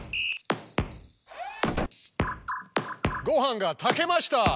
ごはんが炊けました！